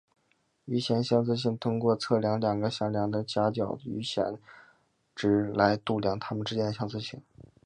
余弦相似性通过测量两个向量的夹角的余弦值来度量它们之间的相似性。